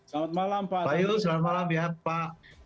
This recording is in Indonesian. selamat malam pak pak yul selamat malam ya pak